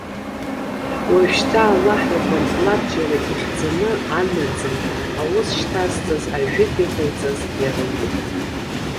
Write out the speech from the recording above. Уажәшьҭа Аллаҳ иҟынтә лабжьарак ихьӡаны анаӡын аус шьҭазҵаз, ажәытә иҟаиҵаз иара итәуп.